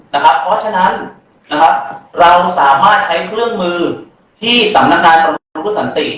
เพราะฉะนั้นเราสามารถใช้เครื่องมือที่สำนักงานประมงรู้สันติ